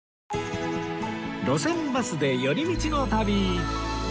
『路線バスで寄り道の旅』